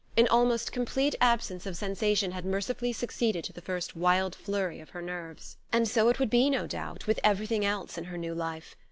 An almost complete absence of sensation had mercifully succeeded to the first wild flurry of her nerves. And so it would be, no doubt, with everything else in her new life.